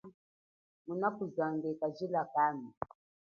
Ngunakuzange kajila kami.